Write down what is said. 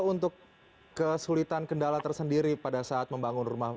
untuk kesulitan kendala tersendiri pada saat membangun rumah